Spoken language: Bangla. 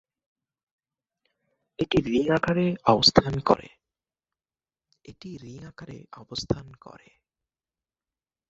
এটি রিং আকারে অবস্থান করে।